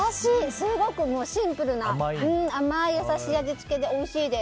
すごくシンプルな甘い優しい味付けでおいしいです。